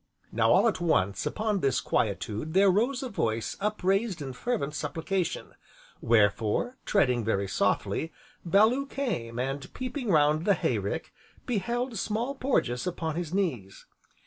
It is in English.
Now, all at once, upon this quietude there rose a voice up raised in fervent supplication; wherefore, treading very softly, Bellew came, and peeping round the hay rick, beheld Small Porges upon his knees.